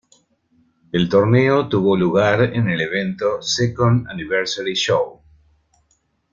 El torneo tuvo lugar en el evento "Second Anniversary Show".